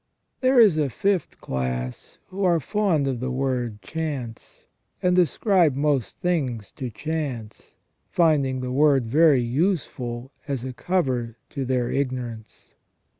* There is a fifth class who are fond of the word chance, and ascribe most things to chance, finding the word very useful as a cover to their ignorance.